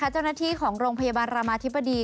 เจ้าหน้าที่ของโรงพยาบาลรามาธิบดี